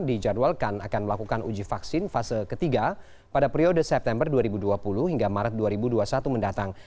dijadwalkan akan melakukan uji vaksin fase ketiga pada periode september dua ribu dua puluh hingga maret dua ribu dua puluh satu mendatang